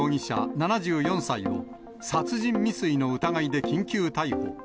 ７４歳を、殺人未遂の疑いで緊急逮捕。